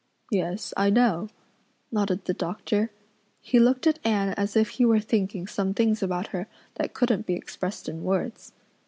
"Yes, I know," nodded the doctor. He looked at Anne as if he were thinking some things about her that couldn't be expressed in words.